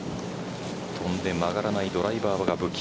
飛んで曲がらないドライバーが武器。